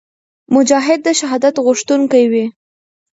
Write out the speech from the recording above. مجاهد د شهادت غوښتونکی وي.